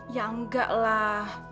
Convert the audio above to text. ya enggak lah